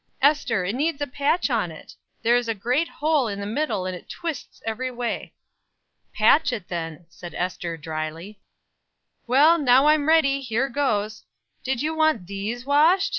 Ester, it needs a patch on it; there's a great hole in the middle, and it twists every way." "Patch it, then," said Ester, dryly. "Well, now I'm ready, here goes. Do you want these washed?"